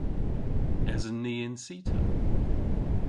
Esen ni y'n cita?